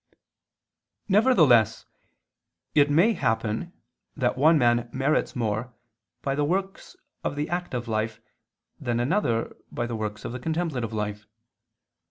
Nevertheless it may happen that one man merits more by the works of the active life than another by the works of the contemplative life.